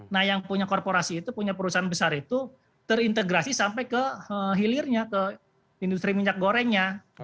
nah yang punya korporasi itu punya perusahaan besar itu terintegrasi sampai ke hilirnya ke industri minyak gorengnya